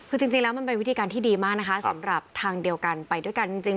คือจริงแล้วมันเป็นวิธีการที่ดีมากนะคะสำหรับทางเดียวกันไปด้วยกันจริง